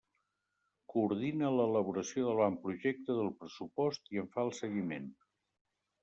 Coordina l'elaboració de l'avantprojecte del pressupost i en fa el seguiment.